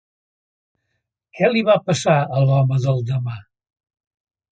Què li va passar a l'home del demà?